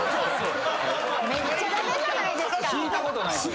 めっちゃ駄目じゃないですか。